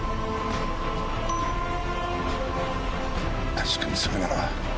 確かにそれなら。